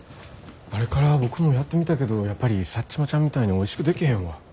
あれから僕もやってみたけどやっぱりサッチモちゃんみたいにおいしく出来へんわ。